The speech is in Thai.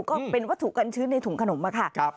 ก็เป็นวัตถุกันชื้นในถุงขนมอะค่ะ